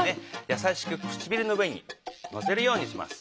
やさしくくちびるの上にのせるようにします。